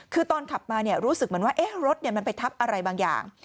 คือตอนขับมารู้สึกเหมือนว่ารถมันไปทับอะไรบางอย่าง